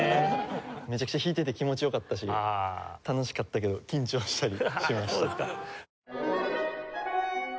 めちゃくちゃ弾いてて気持ち良かったし楽しかったけど緊張したりしました。